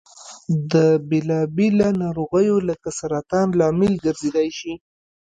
د بېلا بېلو نارغیو لکه سرطان لامل ګرځيدای شي.